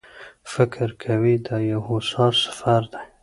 فکر کوي دا یو هوسا سفر دی.